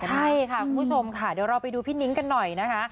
ใช่ค่ะคุณผู้ชมค่ะเดี๋ยวเราไปดูพี่นิ้งกันหน่อยนะคะ